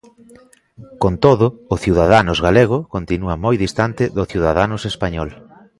Con todo, o Ciudadanos galego continúa moi distante do Ciudadanos español.